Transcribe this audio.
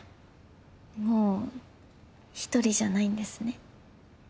もう一人じゃないんですね。